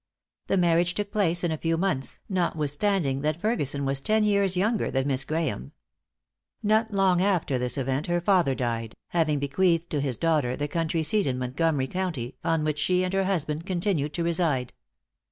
The marriage took place in a few months, notwithstanding that Ferguson was ten years younger than Miss Graeme. Not long after this event her father died, having bequeathed to his daughter the country seat in Montgomery county, on which she and her husband continued to reside.